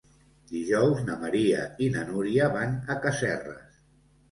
Dijous na Maria i na Núria van a Casserres.